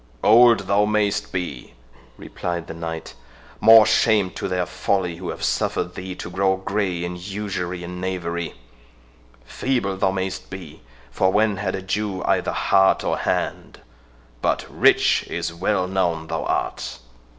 "Old thou mayst be," replied the knight; "more shame to their folly who have suffered thee to grow grey in usury and knavery—Feeble thou mayst be, for when had a Jew either heart or hand—But rich it is well known thou art."